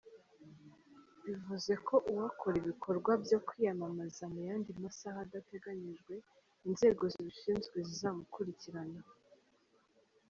Bivuze ko uwakora ibikorwa byo kwiyamamaza mu yandi masaha adateganyijwe, inzego zibishinzwe zizamukurikirana.